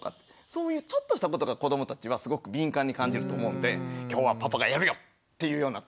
そういうちょっとしたことが子どもたちはすごく敏感に感じると思うんで今日はパパがやるよっていうような